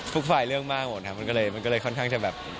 ทุกฝ่ายเรื่องมากหมดครับมันก็เลยค่อนข้างจะแบบ